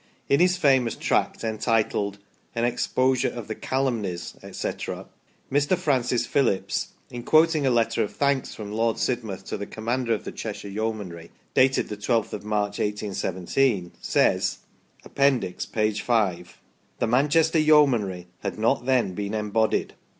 In his famous tract entitled " An exposure of the calumnies," etc., Mr. Francis Phillips, in quot ing a letter of thanks* from Lord Sidmouth to the commander of the Cheshire Yeomanry, dated the 12th of March, 1817, says (Appendix, p. v) " The Manchester Yeomanry had not then been embodied".